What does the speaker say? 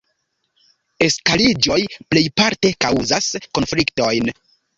Eskaliĝoj plejparte kaŭzas konfliktojn.